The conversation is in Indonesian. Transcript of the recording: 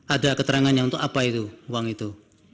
ada keterangannya untuk apa itu uang itu